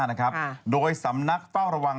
สนับสนุนโดยดีที่สุดคือการให้ไม่สิ้นสุด